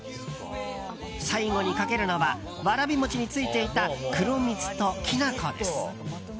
最後にかけるのはわらび餅についていた黒蜜ときな粉です。